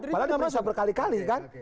padahal diperiksa berkali kali kan